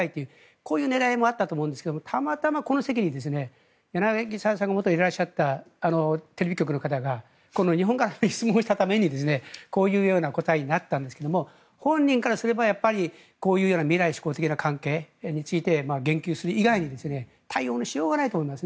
こういう狙いもあったと思うんですがたまたまこの席に柳澤さんが元いらっしゃったテレビ局の方が日本から質問したためにこういう答えになったんですが本人からすればこういう未来志向的な関係以外に言及する以外に対応のしようがないと思います。